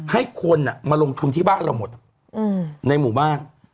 ให้คนมาลงทุนที่บ้านเราหมดในหมู่บ้าน